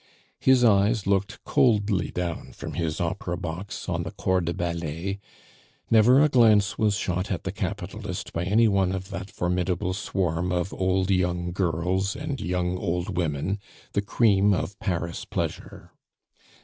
His eyes looked coldly down from his opera box on the corps de ballet; never a glance was shot at the capitalist by any one of that formidable swarm of old young girls, and young old women, the cream of Paris pleasure.